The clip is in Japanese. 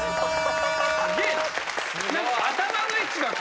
すげえな。